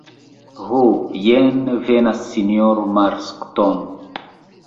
Ho, jen venas sinjoro Marston.